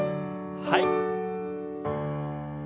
はい。